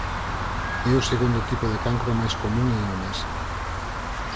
É o segundo tipo de cancro máis común en homes.